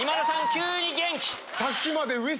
急に元気！